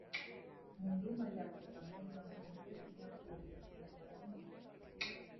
Mundu mailako pandemia honetan ere umeak jaio dira, normala den bezela.